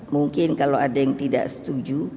mungkin kalau ada yang tidak setuju